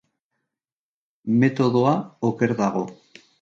Metodoa oker dago.